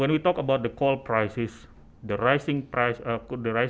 ketika kita bicara tentang harga kualitas